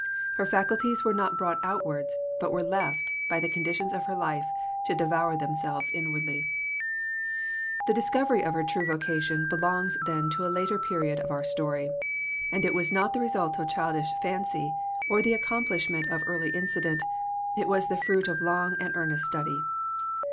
Her faculties were not brought outwards, but were left, by the conditions of her life, to devour themselves inwardly. The Rev. J. T. Giffard. The discovery of her true vocation belongs, then, to a later period of our story; and it was not the result of childish fancy, or the accomplishment of early incident; it was the fruit of long and earnest study.